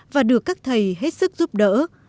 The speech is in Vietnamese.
và được các thầy hết sức giúp đỡ